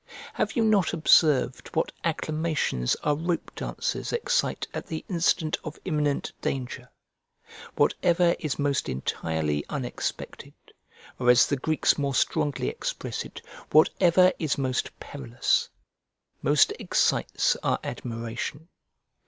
Have you not observed what acclamations our rope dancers excite at the instant of imminent danger? Whatever is most entirely unexpected, or as the Greeks more strongly express it, whatever is most perilous, most excites our admiration.